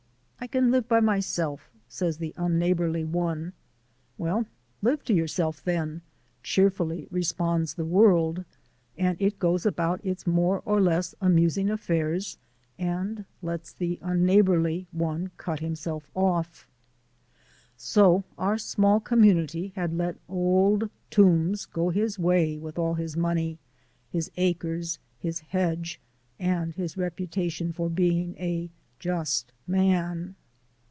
"I can live to myself," says the unneighbourly one. "Well, live to yourself, then," cheerfully responds the world, and it goes about its more or less amusing affairs and lets the unneighbourly one cut himself off. So our small community had let Old Toombs go his way with all his money, his acres, his hedge, and his reputation for being a just man.